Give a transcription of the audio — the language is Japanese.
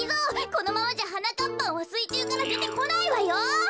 このままじゃはなかっぱんはすいちゅうからでてこないわよ。